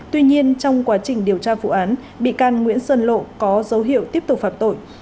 tuy nhiên trong quá trình điều tra vụ án bị can nguyễn sơn lộ có dấu hiệu tiếp tục phạm tội